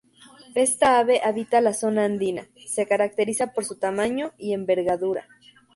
Esta ave habita la zona andina, se caracteriza por su tamaño y envergadura.